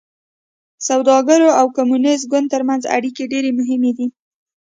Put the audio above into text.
سوداګرو او کمونېست ګوند ترمنځ اړیکې ډېرې مهمې دي.